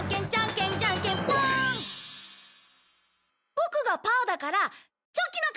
ボクがパーだからチョキの勝ち！